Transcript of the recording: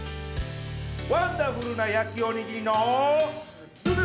ワンダフルな焼きおにぎりの！